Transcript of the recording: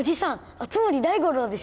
熱護大五郎でしょ？